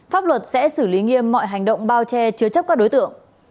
pháp luật sẽ xử lý nghiêm mọi hành động bao che chứa chấp các đối tượng